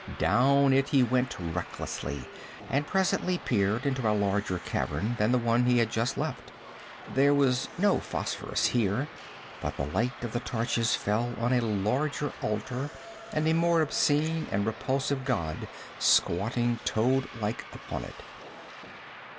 Down it he went recklessly, and was presently peering into a larger cavern than the one he had just left. There was no phosphorus here, but the light of the torches fell on a larger altar and a more obscene and repulsive god squatting toad like upon it.